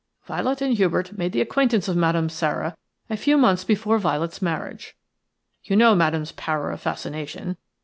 "Violet and Hubert made the acquaintance of Madame Sara a few months before Violet's marriage. You know Madame's power of fascination.